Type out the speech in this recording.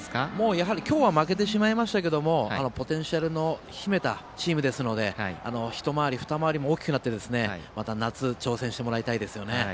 やはり、今日は負けてしまいましたけれどもポテンシャルを秘めたチームですので一回りも二回りも大きくなってまた夏、挑戦してもらいたいです。